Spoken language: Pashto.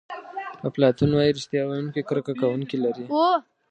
افلاطون وایي ریښتیا ویونکی کرکه کوونکي لري.